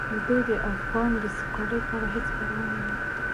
دوی د افغان د سوکالۍ په اړه هیڅ پروا نه لري.